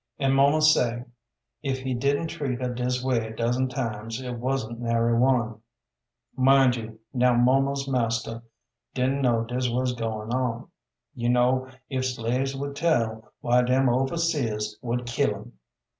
An' muma say, if he didn't treat her dis way a dozen times, it wasn't nary one. Mind you, now muma's marster didn't know dis wuz going on. You know, if slaves would tell, why dem overseers would kill 'em.